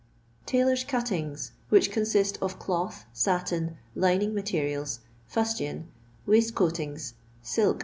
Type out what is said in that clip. Tailor* cuUingt, which consist of cloth, satin, lining materials, fustian, waistcoatings, silk, &c.